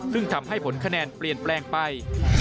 ซึ่งทำให้ผลคะแนนเปลี่ยนแปลงไป